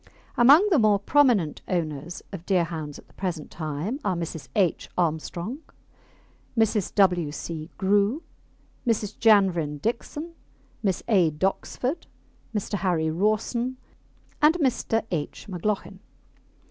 Among the more prominent owners of Deerhounds at the present time are Mrs. H. Armstrong, Mrs. W. C. Grew, Mrs. Janvrin Dickson, Miss A. Doxford, Mr. Harry Rawson, and Mr. H. McLauchin.